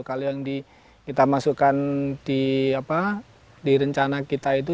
kalau yang kita masukkan di rencana kita itu